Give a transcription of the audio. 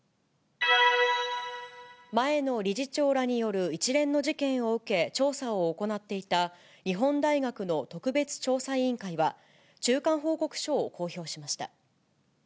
前の理事長らによる一連の事件を受け、調査を行っていた日本大学の特別調査委員会は、中間報告書を公表しました。